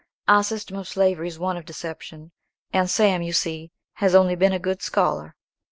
"Our system of slavery is one of deception; and Sam, you see, has only been a good scholar.